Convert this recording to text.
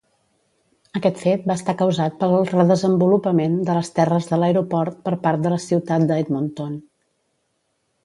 Aquest fet va estar causat pel re-desenvolupament de les terres de l'aeroport per part de la ciutat de Edmonton.